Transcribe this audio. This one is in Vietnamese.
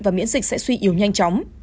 và miễn dịch sẽ suy yếu nhanh chóng